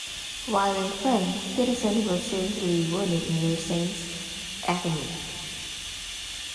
While in France, Patterson was seriously wounded near Saint Etienne.